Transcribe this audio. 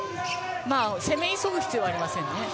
攻め急ぐ必要はありませんね。